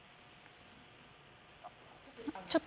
ちょっと。